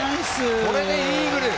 これでイーグル。